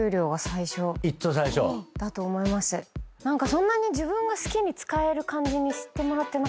そんなに自分が好きに使える感じにしてもらってなかった。